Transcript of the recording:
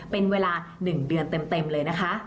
เป็นเวลา๑เดือนเต็มเลยนะคะ